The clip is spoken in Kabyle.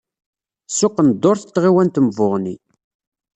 Ssuq n ddurt n tɣiwant n Buɣni.